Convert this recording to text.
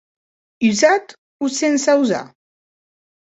Usat o sense usar?